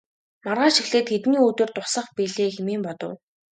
Маргааш эхлээд хэдний өдөр дуусах билээ хэмээн бодов.